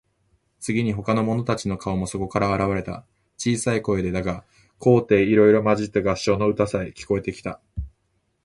次に、ほかの者たちの顔もそこから現われた。小さい声でだが、高低いろいろまじった合唱の歌さえ、聞こえてきた。